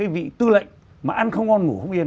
vị tư lệnh mà ăn không ngon ngủ không yên